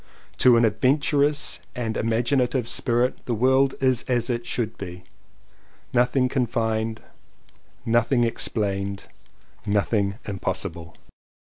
To an adventurous and imagin ative spirit the world is as it should be, nothing confined, nothing explained, noth ing impossible.